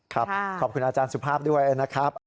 ขอบคุณอาจารย์สุภาพด้วยนะครับ